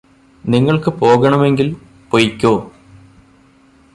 നിങ്ങള്ക്ക് പോകണമെങ്കില് പൊയ്കോ